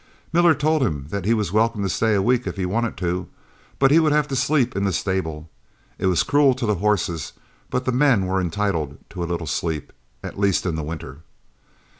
Miller told him that he was welcome to stay a week if he wanted to, but he would have to sleep in the stable. It was cruel to the horses, but the men were entitled to a little sleep, at least in the winter.